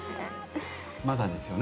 まだですよね？